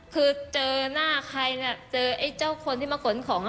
คือเจอหน้าใครเจอเจ้าคนที่มากดของ